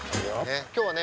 今日はね